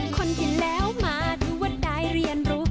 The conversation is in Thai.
คนที่แล้วมาถือว่าได้เรียนรู้